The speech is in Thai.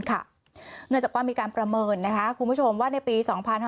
เนื่องจากว่ามีการประเมินคุณผู้ชมว่าในปี๒๕๕๙